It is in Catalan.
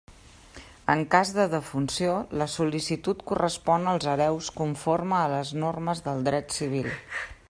En cas de defunció, la sol·licitud correspon als hereus conforme a les normes del dret civil.